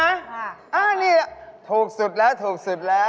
อันนี้ถูกสุดแล้วถูกสุดแล้ว